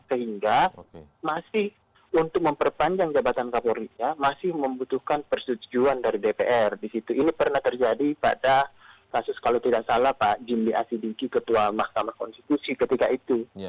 sehingga masih untuk memperpanjang jabatan kapolrinya masih membutuhkan persetujuan dari dpr disitu ini pernah terjadi pada kasus kalau tidak salah pak jimli asidiki ketua mahkamah konstitusi ketika itu